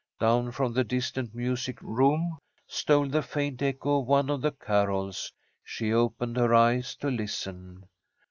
Down from the distant music room stole the faint echo of one of the carols. She opened her eyes to listen.